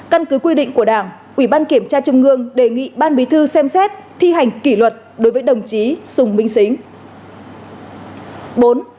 căn cứ quy định của đảng ủy ban kiểm tra trung ương đề nghị ban bí thư xem xét thi hành kỷ luật đối với đồng chí sùng minh xính